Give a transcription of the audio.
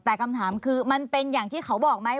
แต่คำถามคือมันเป็นอย่างที่เขาบอกไหม